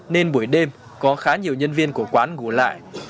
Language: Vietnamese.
nên buổi đêm có khá nhiều nhân viên của quán ngủ lại